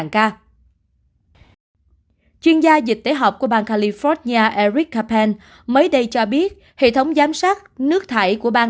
các bệnh viện ở bang california eric capen mới đây cho biết hệ thống giám sát nước thải của bang